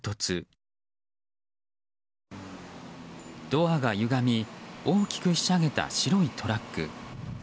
ドアがゆがみ大きくひしゃげた白いトラック。